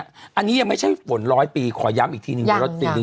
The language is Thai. อันนี้ยังไม่ใช่ฝน๑๐๐ปีขอย้ำอีกทีหนึ่งยัง